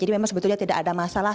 memang sebetulnya tidak ada masalah